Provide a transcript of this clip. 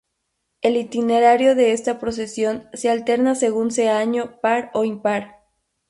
El itinerario de esta procesión se alterna según sea año par o impar.